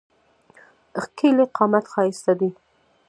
ښکېلی قامت ښایسته دی.